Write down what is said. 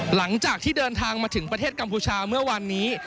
หลังจากที่เดินทางมาถึงประเทศกัมพูชาเมื่อวันนี้